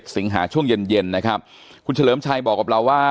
สิงหาช่วงเย็นเย็นนะครับคุณเฉลิมชัยบอกกับเราว่า